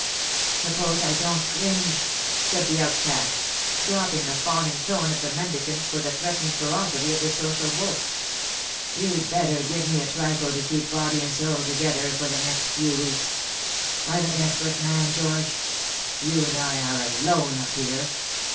"Suppose I don't cringe," said the outcast, dropping the fawning tone of the mendicant for the threatening ferocity of the social wolf; "you'd better give me a trifle to keep body and soul together for the next few weeks. I'm a desperate man, George! You and I are alone up here.